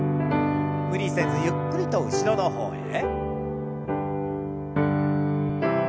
無理せずゆっくりと後ろの方へ。